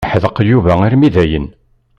Yeḥdeq Yuba armi dayen.